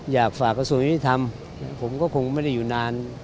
อยากฝากกระทรวงยุติธรรมผมก็คงไม่ได้อยู่นาน